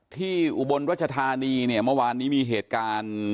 อุบลรัชธานีเนี่ยเมื่อวานนี้มีเหตุการณ์